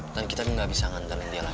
dan kita juga gak bisa nganterin dia lagi